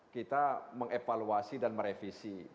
kita mengevaluasi dan merevisi